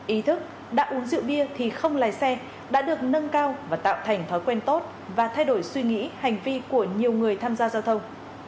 ý thức đã uống rượu bia thì không lái xe đã được nâng cao và tạo thành thói quen tốt và thay đổi suy nghĩ hành vi của nhiều người tham gia giao thông